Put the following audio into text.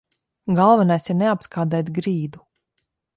Galvenais ir neapskādēt grīdu.